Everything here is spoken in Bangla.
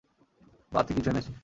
বাড়তি কিছু এনেছি।